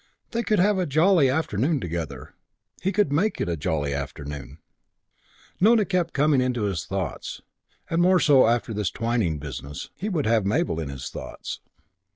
They could have a jolly afternoon together. He could make it a jolly afternoon. Nona kept coming into his thoughts and more so after this Twyning business. He would have Mabel in his thoughts.